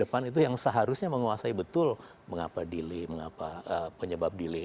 depan itu yang seharusnya menguasai betul mengapa delay mengapa penyebab delay